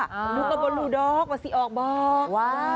ดูกระบวนดูดอกว่าสิออกบอก